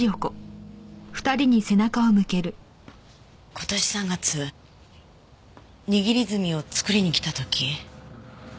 今年３月握り墨を作りに来た時。